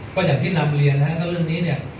ก็อย่างที่นำเรียนนะครับว่าเรื่องนี้เนี่ย